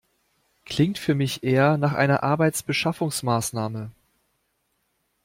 Klingt für mich eher nach einer Arbeitsbeschaffungsmaßnahme.